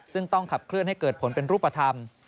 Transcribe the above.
ซึ่งต้องขับเคลื่อนให้เกิดผลเป็นรูปธรรม